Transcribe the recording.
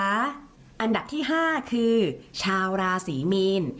อันดับที่๕คือชาวราศรีมีน